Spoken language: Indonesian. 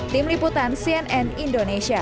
tim liputan cnn indonesia